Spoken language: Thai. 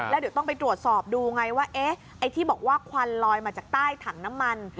แล้วเดี๋ยวต้องไปตรวจสอบดูไงว่าไอ้ที่บอกว่าควันลอยมาจากใต้ถังน้ำมัน